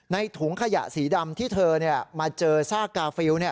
ในถุงขยะสีดำที่เธอเนี่ยมาเจอซากกาฟิลด์เนี่ย